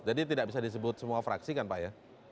jadi tidak bisa disebut semua fraksi kan pak ya